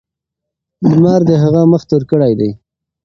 لمر د هغه مخ تور کړی دی.